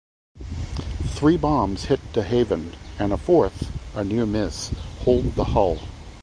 Three bombs hit "De Haven" and a fourth, a near miss, holed the hull.